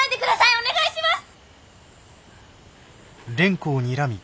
お願いします！